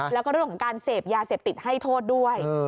แล้วก็เรื่องของการเสพยาเสพติดให้โทษด้วย